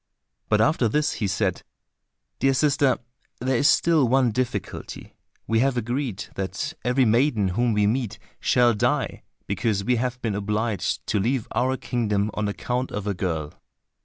But after this he said, "Dear sister, there is still one difficulty. We have agreed that every maiden whom we meet shall die, because we have been obliged to leave our kingdom on account of a girl."